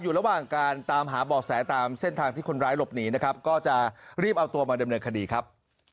อยู่ระหว่างการตามหาบ่อแสตามเส้นทางที่คนร้ายหลบหนีนะครับก็จะรีบเอาตัวมาดำเนินคดีครับ